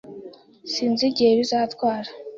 Sinzi igihe bizatwara.